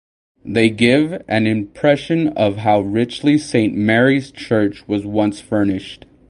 They give an impression of how richly Saint Mary's church was once furnished.